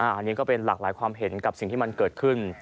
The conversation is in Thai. อันนี้ก็เป็นหลากหลายความเห็นกับสิ่งที่มันเกิดขึ้น